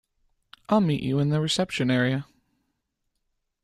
I'll meet you in the reception area.